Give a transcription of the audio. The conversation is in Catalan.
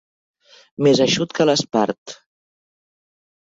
Més eixut que l'espart.